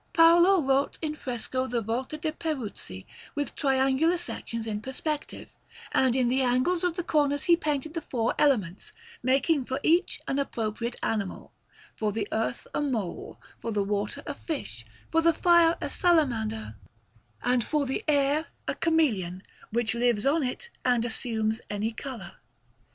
Paolo wrought in fresco the Volta de' Peruzzi, with triangular sections in perspective, and in the angles of the corners he painted the four elements, making for each an appropriate animal for the earth a mole, for the water a fish, for the fire a salamander, and for the air a chameleon, which lives on it and assumes any colour.